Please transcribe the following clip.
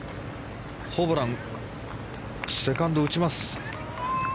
ホブラン、セカンド打ちます。